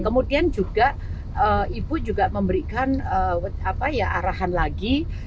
kemudian juga ibu juga memberikan arahan lagi